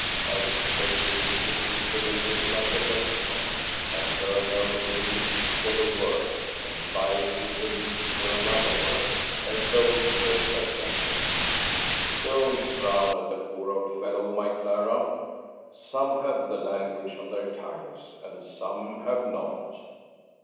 I suspect, will be to treat the lady like a lexicon, and turn over the leaves for the word, and fly through the leaves for another word, and so get a sentence. Don't frown at the poor old fellow, my Clara; some have the language on their tongues, and some have not.